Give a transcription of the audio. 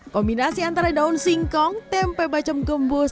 kombinasi antara daun singkong tempe bacem gembus